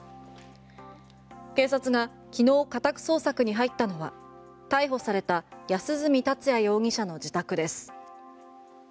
警察が昨日家宅捜索に入ったのは逮捕された安栖達也容疑者の自宅です。